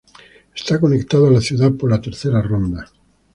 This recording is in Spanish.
Está conectado a la ciudad por la Tercera Ronda.